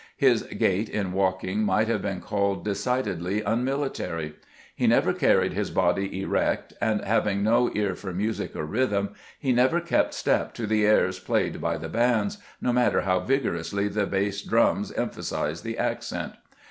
His gait in walking might have been called decidedly un military. He never carried his body erect, and having no ear for music or rhythm, he never kept step to the airs played by the bands, no matter how vigorously the bass drums emphasized the accent.